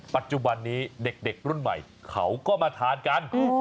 ปัจจุบันนี้เด็กรุ่นใหม่เขาก็มาทานกัน